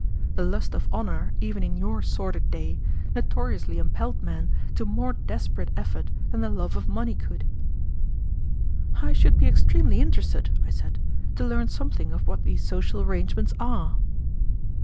The lust of honor even in your sordid day notoriously impelled men to more desperate effort than the love of money could." "I should be extremely interested," I said, "to learn something of what these social arrangements are."